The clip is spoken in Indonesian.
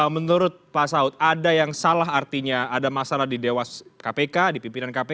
menurut pak saud ada yang salah artinya ada masalah di dewas kpk di pimpinan kpk